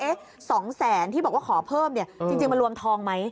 ๒แสนที่บอกว่าขอเพิ่มเนี่ยจริงมันรวมทองไหม